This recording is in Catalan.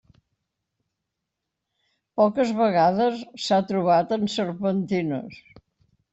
Poques vegades s'ha trobat en serpentines.